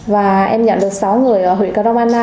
và em nhận được sáu người ở huyện crongana